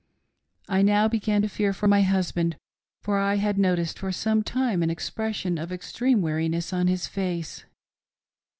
I now began to fear for my husband, for I had noticed for some time an expression of extreme weariness in his face.